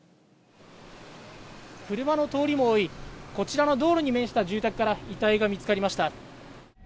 車の通りも多い、こちらの道路に面した住宅から遺体が見つかりました。